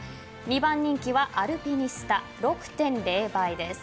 ２番人気はアルピニスタ６．０倍です。